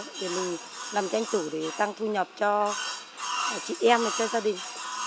để mình làm tranh thủ để tăng thu nhập cho chị em và cho gia đình